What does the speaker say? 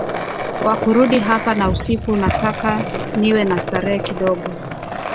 wa kurudi hapa na usiku nataka niwe na starehe kidogo